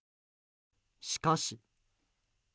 しかし。